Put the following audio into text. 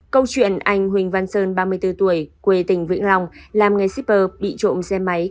câu chuyện anh huỳnh văn sơn ba mươi bốn tuổi quê tỉnh vĩnh long làm nghề shipper bị trộm xe máy